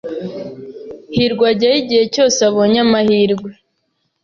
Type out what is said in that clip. hirwa ajyayo igihe cyose abonye amahirwe.